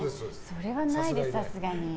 それはないです、さすがに。